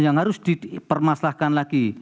yang harus dipermasalahkan lagi